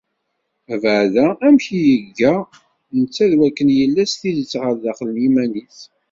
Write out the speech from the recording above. Abeɛda amek i yega netta, d wakken yella s tidet ɣer daxel n yiman-is.